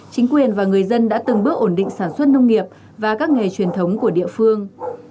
chính quyền và người dân đã từng bước ổn định sản xuất nông nghiệp và các nghề truyền thống của địa phương